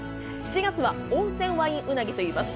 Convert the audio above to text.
７月は温泉ワインうなぎといいます。